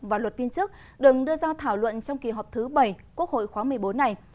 và luật viên chức đừng đưa ra thảo luận trong kỳ họp thứ bảy quốc hội khóa một mươi bốn này